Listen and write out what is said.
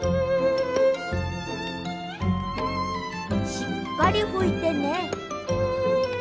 しっかりふいてね。